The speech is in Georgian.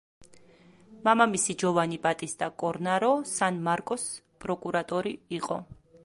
მამამისი ჯოვანი ბატისტა კორნარო სან–მარკოს პროკურატორი იყო.